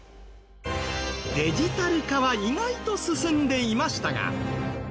デジタル化は意外と進んでいましたが。